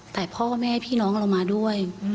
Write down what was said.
แต่พ่อแม่พี่น้องเรามาด้วย